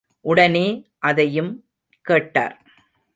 உடனே அதையும் கேட்டார்.